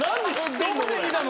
どこで見たの？